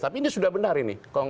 tapi ini sudah benar ini